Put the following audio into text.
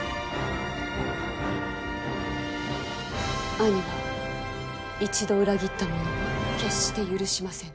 兄は一度裏切った者を決して許しませぬ。